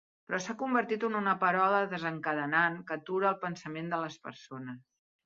Però s'ha convertit en una paraula desencadenant que atura el pensament de les persones.